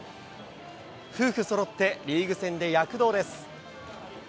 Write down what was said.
夫婦そろってリーグ戦で躍動です。